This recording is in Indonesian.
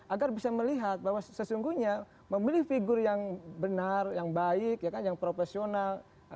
agar bisa melihat bahwa sesungguhnya memilih figur yang benar yang baik yang profesional